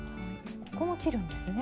ここも切るんですね。